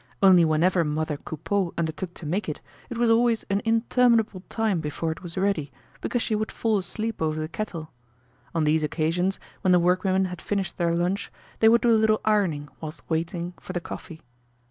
Only whenever mother Coupeau undertook to make it, it was always an interminable time before it was ready, because she would fall asleep over the kettle. On these occasions, when the workwomen had finished their lunch, they would do a little ironing whilst waiting for the coffee.